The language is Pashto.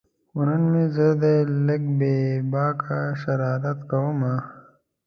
خو نن مې زړه دی لږ بې باکه شرارت کومه